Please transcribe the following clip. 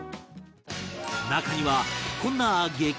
中にはこんな激